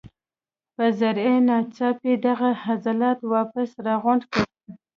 پۀ ذريعه ناڅاپي دغه عضلات واپس راغونډ کړي